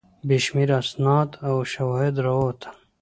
بې شمېره اسناد او شواهد راووتل.